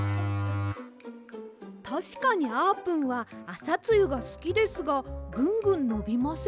たしかにあーぷんはあさつゆがすきですがぐんぐんのびませんよ。